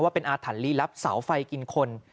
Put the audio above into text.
ว่าเป็นอาถรรพ์รีรับเสาไฟกินคน